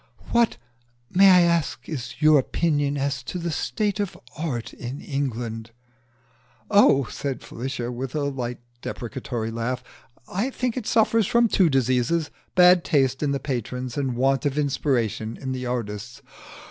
"What, may I ask, is your opinion as to the state of Art in England?" "Oh," said Felicia, with a light deprecatory laugh, "I think it suffers from two diseases bad taste in the patrons and want of inspiration in the artists."